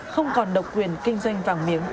không còn độc quyền kinh doanh vàng miếng